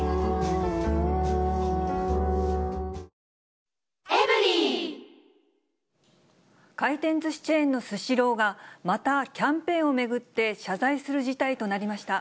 ちょっとね、回転ずしチェーンのスシローが、またキャンペーンを巡って、謝罪する事態となりました。